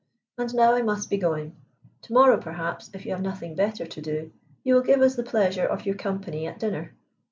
And now I must be going. To morrow, perhaps, if you have nothing better to do, you will give us the pleasure of your company at dinner.